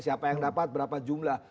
siapa yang dapat berapa jumlah